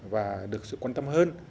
và được sự quan tâm hơn